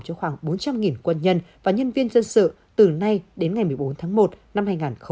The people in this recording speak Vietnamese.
cho khoảng bốn trăm linh quân nhân và nhân viên dân sự từ nay đến ngày một mươi bốn tháng một năm hai nghìn hai mươi